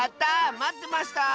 まってました！